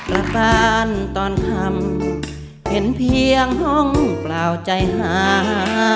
ระบานตอนทำเพ็นเพียงห้องเปล่าใจห่าง